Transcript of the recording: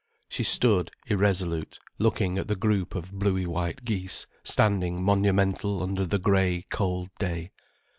She stood irresolute, looking at the group of bluey white geese standing monumental under the grey, cold day.